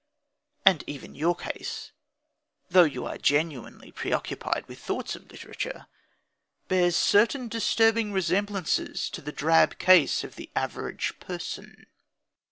And even your case, though you are genuinely preoccupied with thoughts of literature, bears certain disturbing resemblances to the drab case of the average person.